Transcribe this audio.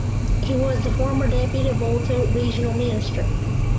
He was the former Deputy Volta Regional Minister.